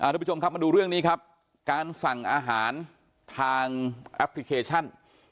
ทุกผู้ชมครับมาดูเรื่องนี้ครับการสั่งอาหารทางแอปพลิเคชัน